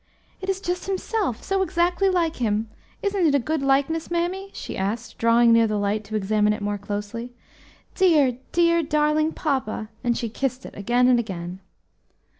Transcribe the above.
"It is just himself, so exactly like him! Isn't it a good likeness, mammy?" she asked, drawing near the light to examine it more closely. "Dear, dear, darling papa!" and she kissed it again and again.